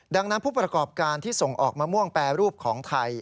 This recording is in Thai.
ดังนั้นผู้ประกอบการที่ส่งออกมะม่วงแปรรูปของไทย